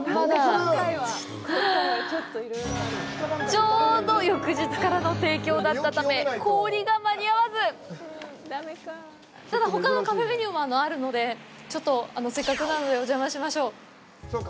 ちょうど翌日からの提供だったため氷が間に合わずただ、ほかのカフェメニューもあるのでちょっと、せっかくなのでお邪魔しましょう。